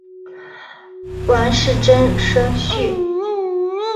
王士禛甥婿。